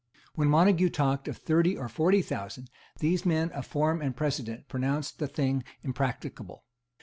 When Montague talked of thirty or forty thousand, these men of form and precedent pronounced the thing impracticable.